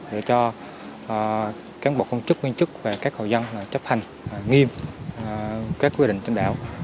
để cho cán bộ công chức nguyên chức và các hộ dân chấp hành nghiêm các quy định trên đảo